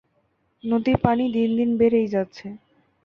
নদীর পানি দিন দিন বেড়েই যাচ্ছে।